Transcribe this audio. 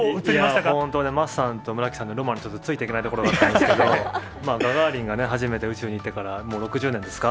本当ね、桝さんと村木さんのロマンについていけないところあったんですけど、ガガーリンが初めて宇宙に行ってからもう６０年ですか？